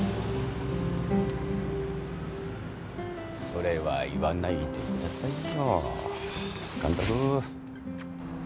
それは言わないでくださいよ監督。